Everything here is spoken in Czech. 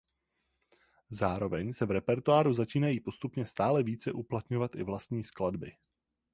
Zároveň se v repertoáru začínají postupně stále více uplatňovat i vlastní skladby.